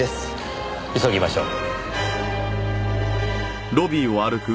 急ぎましょう。